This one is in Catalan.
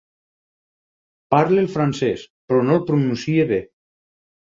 Parla el francès, però no el pronuncia bé.